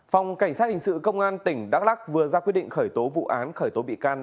phòng cảnh sát hình sự công an tỉnh đắk lắc vừa ra quyết định khởi tố vụ án khởi tố bị can